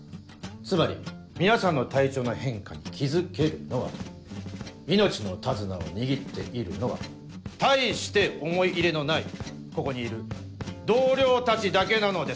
つまり皆さんの体調の変化に気付けるのは命の手綱を握っているのは大して思い入れのないここにいる同僚たちだけなのです。